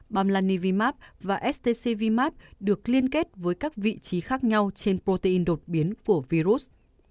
bamlanivimap và stcvmap được liên kết với các vị trí khác nhau trên protein đột biến của virus